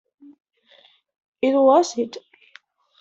It was it.